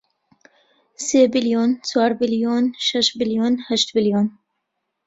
سێ بلیۆن، چوار بلیۆن، شەش بلیۆن، هەشت بلیۆن